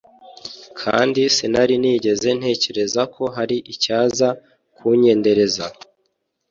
kandi sinari nigeze ntekereza ko hari icyaza kunyendereza